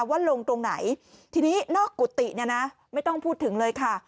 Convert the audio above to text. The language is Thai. ว่าลงตรงไหนทีนี้นอกกุฏิเนี่ยนะไม่ต้องพูดถึงเลยค่ะ